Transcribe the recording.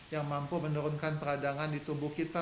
yang mampu menurunkan peradangan di tubuh kita